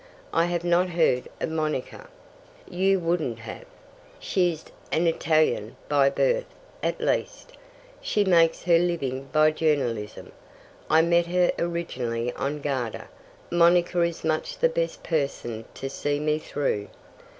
"I have not heard of Monica." "You wouldn't have. She's an Italian by birth at least. She makes her living by journalism. I met her originally on Garda. Monica is much the best person to see me through."